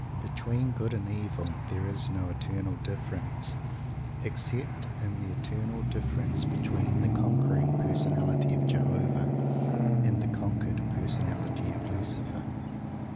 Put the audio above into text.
Between Good and Evil there is no eternal difference, except in the eternal difference between the conquering Personality of Jehovah and the conquered Personality of Lucifer.